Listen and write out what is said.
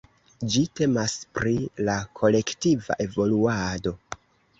Ĝi temas pri la kolektiva evoluado.